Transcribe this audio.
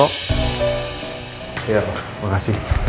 ya pak makasih